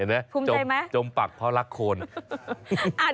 เห็นมั้ยจมปักเพราะรักโคนภูมิใจมั้ย